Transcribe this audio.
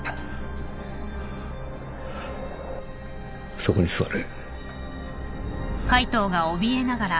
そこに座れ。